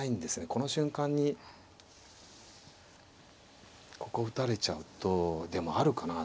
この瞬間にここ打たれちゃうとでもあるかな。